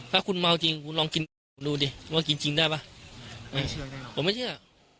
ถ้าคุณเมาจริงคุณลองกินดูดิว่ากินจริงได้ป่ะไม่ผมไม่เชื่อ